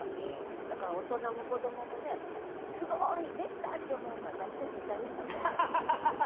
だから大人も子どももね「すごい！」「できた！」って思うのは大体似たような句が多い。